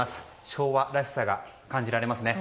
昭和らしさが感じられますね。